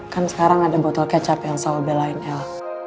kan sekarang ada botol kecap yang selalu belain el